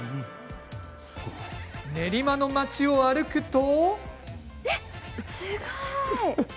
練馬の街を歩くと。